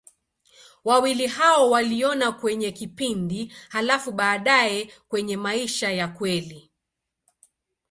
Wawili hao waliona kwenye kipindi, halafu baadaye kwenye maisha ya kweli.